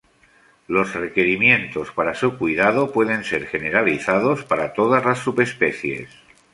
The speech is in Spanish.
Los requerimientos para su cuidado pueden ser generalizados para todas las subespecies.